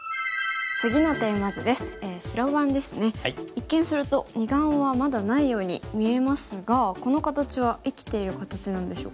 一見すると二眼はまだないように見えますがこの形は生きている形なんでしょうか？